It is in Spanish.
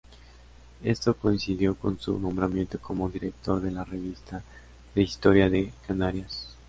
Esto coincidió con su nombramiento como director de la "Revista de Historia de Canarias".